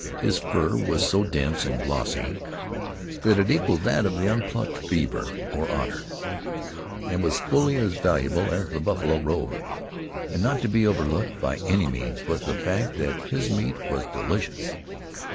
His fur was so dense and glossy that it equaled that of the unplucked beaver or otter, and was fully as valuable as the buffalo robe. And not to be overlooked by any means was the fact that his meat was delicious.